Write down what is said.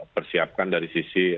persiapkan dari sisi